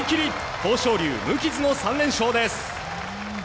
豊昇龍、無傷の３連勝です。